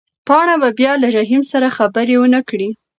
پاڼه به بیا له رحیم سره خبرې ونه کړي.